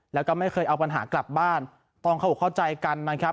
แล้วก็ไม่เคยเอาปัญหากลับบ้านต้องเข้าอกเข้าใจกันนะครับ